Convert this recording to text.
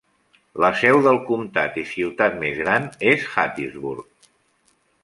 La seu del comtat i ciutat més gran és Hattiesburg.